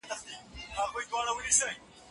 د کرنې د ودې لپاره احمد شاه ابدالي څه وکړل؟